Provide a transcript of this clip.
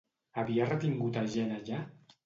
Havia retingut a gent allà?